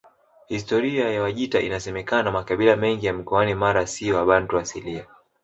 Historia ya Wajita Inasemekana makabila mengi ya mkoani Mara si wabantu asilia